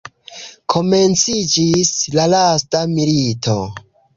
Komenciĝis la lasta milito.